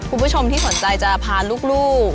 คุณผู้ชมที่สนใจจะพาลูก